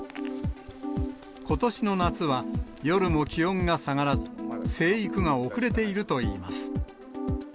ことしの夏は、夜も気温が下がらず、生育が遅れているといいます。